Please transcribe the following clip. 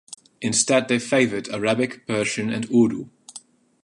Instead they favored Arabic, Persian, and Urdu.